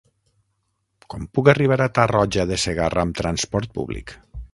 Com puc arribar a Tarroja de Segarra amb trasport públic?